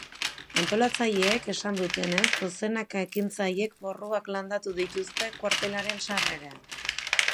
Antolatzaileek esan dutenez, dozenaka ekintzailek porruak landatu dituzte kuartelaren sarreran.